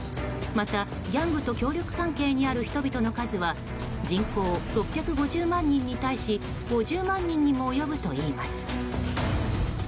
また、ギャングと協力関係にある人々の数は人口６５０万人に対し５０万人にも及ぶといいます。